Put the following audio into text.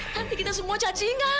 nanti kita semua cacingan